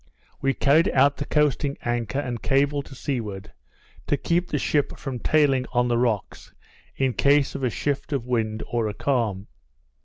We carried out the coasting anchor and cable to seaward, to keep the ship from tailing on the rocks, in case of a shift of wind or a calm.